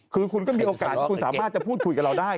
คือคุณก็มีโอกาสที่คุณสามารถจะพูดคุยกับเราได้